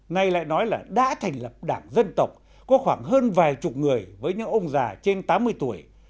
nay lại nói là đã thành lập đảng dân tộc có khoảng hơn vài chục người với những ông già trên tám mươi tuổi